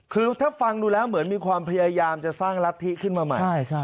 คือถ้าฟังดูแล้วเหมือนมีความพยายามจะสร้างรัฐธิขึ้นมาใหม่